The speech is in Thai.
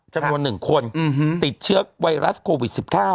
จำนวน๑คนติดเชื้อไวรัสโควิด๑๙